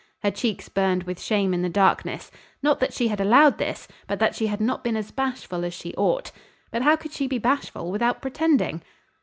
Her cheeks burned with shame in the darkness, not that she had allowed this, but that she had not been as bashful as she ought. But how could she be bashful without pretending?